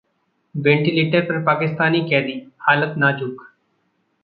ventilator पर पाकिस्तानी कैदी, हालत नाजुक